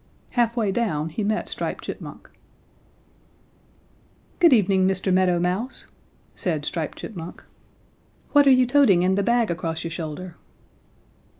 Half way down he met Striped Chipmunk. "'Good evening, Mr. Meadow Mouse,' said Striped Chipmunk. 'What are you toting in the bag across your shoulder?'